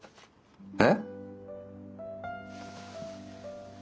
えっ！？